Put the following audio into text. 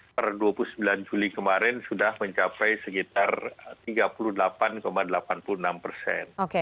per dua puluh sembilan juli kemarin sudah mencapai sekitar tiga puluh delapan delapan puluh enam persen